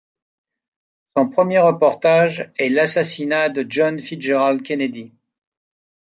Son premier reportage est l'assassinat de John Fitzgerald Kennedy.